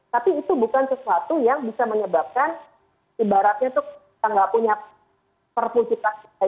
tapi itu bukan sesuatu yang bisa menyebabkan ibaratnya tuh kita nggak punya perpustakaan